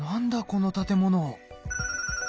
この建物。